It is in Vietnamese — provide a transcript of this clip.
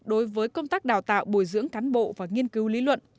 đối với công tác đào tạo bồi dưỡng cán bộ và nghiên cứu lý luận